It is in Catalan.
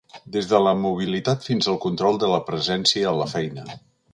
Des de la mobilitat fins al control de la presència a la feina.